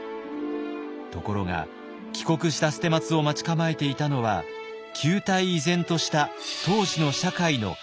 ところが帰国した捨松を待ち構えていたのは旧態依然とした当時の社会の壁でした。